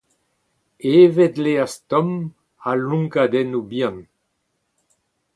Evet laezh tomm a-lonkadennoù bihan.